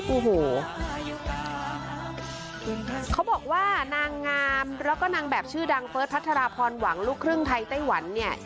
โอ้โหเขาบอกว่านางงามแล้วก็นางแบบชื่อดังเฟิร์สพัชราพรหวังลูกครึ่งไทยไต้หวันเนี่ย